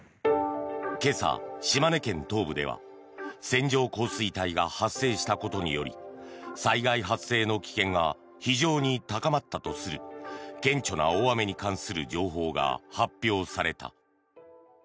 今朝、島根県東部では線状降水帯が発生したことにより災害発生の危険が非常に高まったとする顕著な大雨に関する情報が発表された。